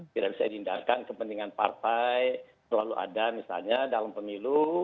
tidak bisa dihindarkan kepentingan partai selalu ada misalnya dalam pemilu